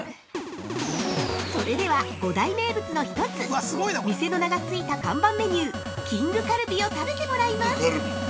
◆それでは、五大名物の一つ店の名がついた看板メニューきんぐカルビを食べてもらいます。